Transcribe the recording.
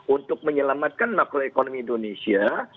untuk menyelamatkan makroekonomi indonesia